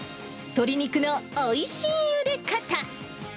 鶏肉のおいしいゆで方。